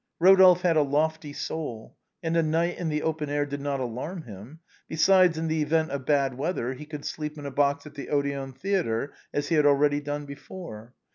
Eodolphe had a loftly soul, and a night in the open air did not alarm him. Besides, in the event of bad weather, he could sleep in a box at the Odéon Theatre, as he had already done before.